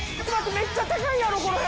めっちゃ高いやろこの辺！